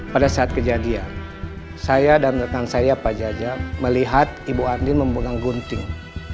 pada saat kejadian saya dan rekan saya pak jaja melihat ibu andi memegang gunting